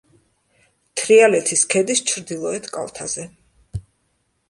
თრიალეთის ქედის ჩრდილოეთ კალთაზე.